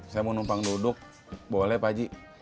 saya mau numpang duduk boleh pak haji